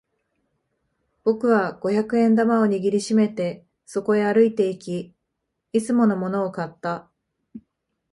僕は五百円玉を握り締めてそこへ歩いていき、いつものものを買った。